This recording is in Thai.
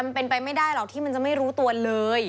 มันเป็นไปไม่ได้หรอกที่มันจะไม่รู้ตัวเลย